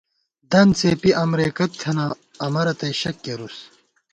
دن څېپی امرېکہ تھنہ امہ رتئ شک کېرُس